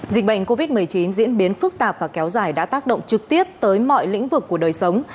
dịch bệnh covid một mươi chín diễn biến phức tạp và kéo dài đã tác động trực tiếp tới mọi lĩnh vực của đời sống